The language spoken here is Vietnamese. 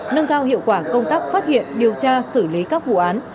nâng cao hiệu quả công tác phát hiện điều tra xử lý các vụ án